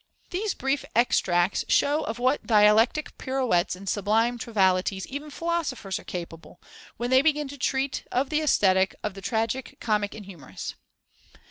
These brief extracts show of what dialectic pirouettes and sublime trivialities even philosophers are capable, when they begin to treat of the Aesthetic of the tragic, comic, and humorous.